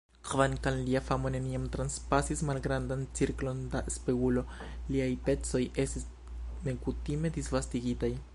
Kvankam lia famo neniam transpasis malgrandan cirklon da spertulo, liaj pecoj estis nekutime disvastigitaj.